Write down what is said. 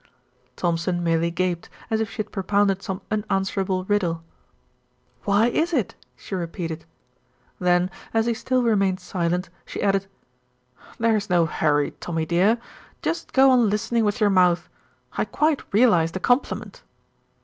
Thompson merely gaped, as if she had propounded some unanswerable riddle. "Why is it?" she repeated. Then as he still remained silent she added, "There's no hurry, Tommy dear; just go on listening with your mouth. I quite realise the compliment."